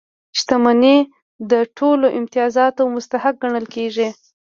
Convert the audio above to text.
شتمن د ټولو امتیازاتو مستحق ګڼل کېږي.